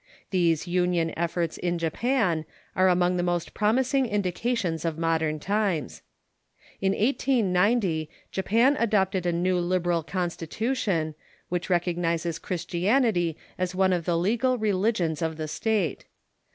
These union efforts in Japan are among the most prom ising indications of modern times. In 1890 Japan adopted a new liberal constitution, which recognizes Christianity as one THE PROTESTANT MISSIOX FIELD 411 of the legal religions of the state.